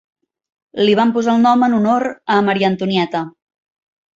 Li van posar el nom en honor a Maria Antonieta.